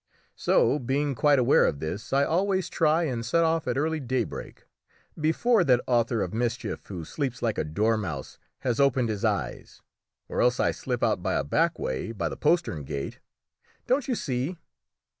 So, being quite aware of this, I always try and set off at early daybreak, before that author of mischief, who sleeps like a dormouse, has opened his eyes; or else I slip out by a back way by the postern gate. Don't you see?"